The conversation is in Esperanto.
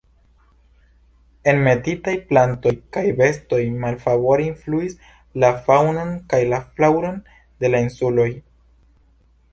Enmetitaj plantoj kaj bestoj malfavore influis la faŭnon kaj flaŭron de la insuloj.